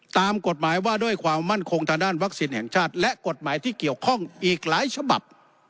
ตามกฎหมายว่าด้วยความมั่นคงทางด้านวัคซีนแห่งชาติและกฎหมายที่เกี่ยวข้องอีกหลายฉบับ